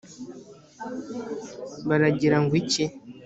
Baragira ngw'iki?